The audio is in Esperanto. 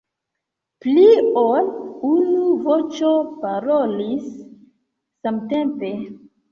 Pli ol unu voĉo parolis samtempe.